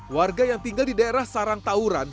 warga yang tinggal di daerah sarang tauran